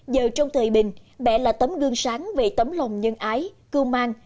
giờ trong thời bình mẹ là tấm gương sáng về tấm lòng nhân ái cưu mang